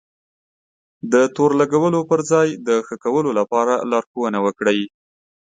د تور لګولو پر ځای د ښه کېدو لپاره لارښونه وکړئ.